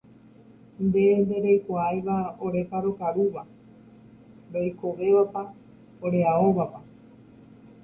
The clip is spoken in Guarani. nde ndereikuaáiva orépa rokarúva, roikovẽvapa, oreaóvapa